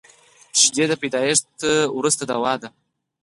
شیدې د زیږون وروسته دوا دي